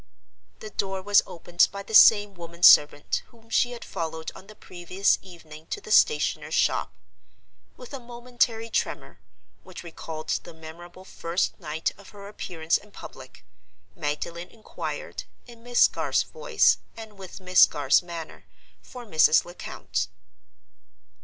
The door was opened by the same woman servant whom she had followed on the previous evening to the stationer's shop. With a momentary tremor, which recalled the memorable first night of her appearance in public, Magdalen inquired (in Miss Garth's voice, and with Miss Garth's manner) for Mrs. Lecount.